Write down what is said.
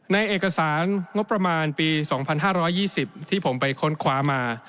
ในเอกสารงบประมาณปี๒๕๒๐ที่ผมไปค้นคว้ามา